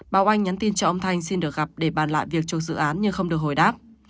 báo oanh nhắn tin cho ông thanh xin được gặp để bàn lại việc chụp dự án nhưng không được hồi đáp